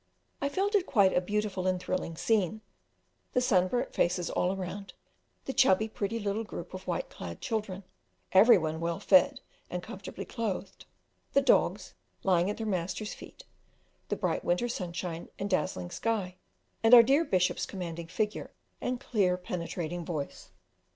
I felt it quite a beautiful and thrilling scene; the sunburnt faces all around, the chubby, pretty little group of white clad children, every one well fed and comfortably clothed, the dogs lying at their masters feet, the bright winter sunshine and dazzling sky, and our dear Bishops commanding figure and clear, penetrating voice!